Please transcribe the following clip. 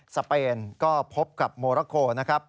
สเปนก็พบกับโมราโคนะครับ